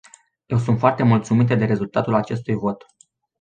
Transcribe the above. Eu sunt foarte mulțumită de rezultatul acestui vot.